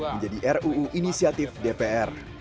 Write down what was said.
menjadi ruu inisiatif dpr